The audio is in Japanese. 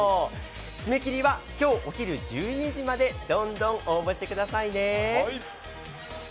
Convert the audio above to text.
締め切りはきょうお昼１２時まで、どんどん応募してくださいね。